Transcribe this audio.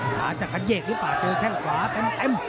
ขาจะขยกหรือเปล่าเจอแค่งขวาเต็ม